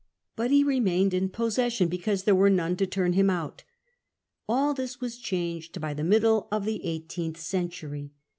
But he remained in possession because there were none to turn him out. All this was changed by the middle of the eighteenth century.